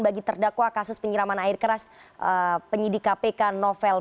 bagi terdakwa kasus penyiraman air keras penyidik kpk novel